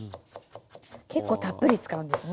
結構たっぷり使うんですね。